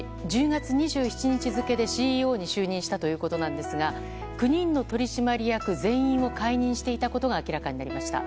１０月２７日付でＣＥＯに就任したということなんですが９人の取締役全員を解任していたことが明らかになりました。